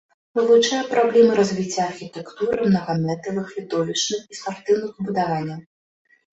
Вывучае праблемы развіцця архітэктуры мнагамэтавых відовішчных і спартыўных збудаванняў.